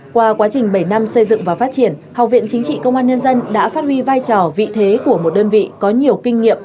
qua quá trình bảy năm xây dựng và phát triển học viện chính trị công an nhân dân đã phát huy vai trò vị thế của một đơn vị có nhiều kinh nghiệm